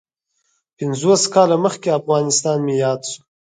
پنځوس کاله مخکې افغانستان مې یاد شو.